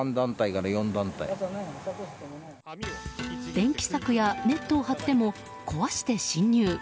電気柵やネットを張っても壊して侵入。